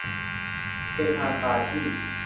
เฮฮาปาร์ตี้